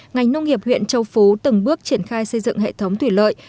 ngành nông nghiệp huyện châu phú từng bước triển khai xây dựng hệ thống thủy lợi